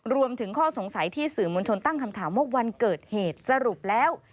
รวมถึงข้อสงสัยที่สื่อมวลชนตั้งคำถามว่าวันเกิดเหตุสรุปแล้ว